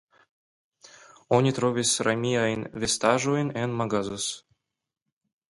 Oni trovis romiajn restaĵojn en Magazos.